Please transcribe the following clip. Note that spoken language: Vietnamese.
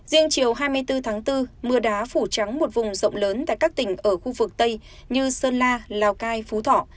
riêng chiều hai mươi bốn tháng bốn mưa đá phủ trắng một vùng rộng lớn tại các tỉnh ở khu vực tây như sơn la lào cai phú thọ